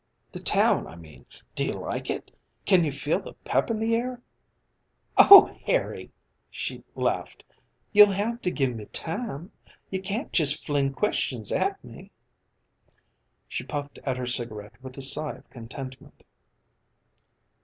"The town, I mean. Do you like it? Can you feel the pep in the air?" "Oh, Harry," she laughed, "you'll have to give me time. You can't just fling questions at me." She puffed at her cigarette with a sigh of contentment.